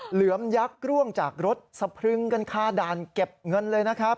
เหลือมยักษ์ร่วงจากรถสะพรึงกันคาด่านเก็บเงินเลยนะครับ